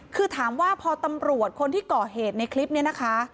คือถามว่าพอตำรวจคนที่ก่อเหตุในคลิปนี้นะคะ